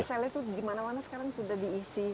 moselle itu gimana mana sekarang sudah diisi